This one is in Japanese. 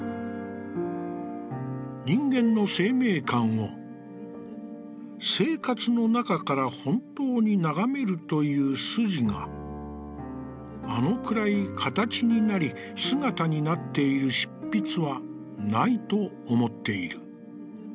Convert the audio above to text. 「人間の生命感を、生活の中からほんとうにながめるという筋が、あのくらい形になり、姿になっている執筆はないと思っている」。